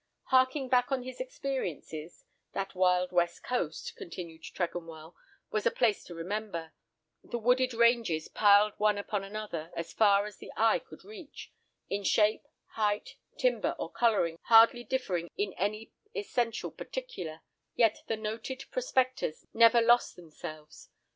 Harking back to his experiences—"That wild West Coast," continued Tregonwell, "was a place to remember—the wooded ranges piled one upon another, as far as eye could reach, in shape, height, timber, or colouring hardly differing in any essential particular; yet the noted prospectors never lost themselves.